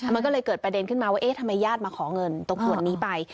มันก็เลยเกิดประเด็นขึ้นมาว่าเอ๊ะทำไมญาติมาขอเงินตรงขวดนี้ไป